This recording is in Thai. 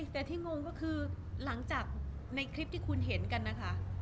แต่ที่งงก็คือหลังจากในคลิปที่คุณเห็นกันนะคะ